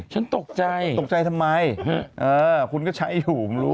ฉันตกใจตกใจทำไมคุณก็ใช้อยู่ผมรู้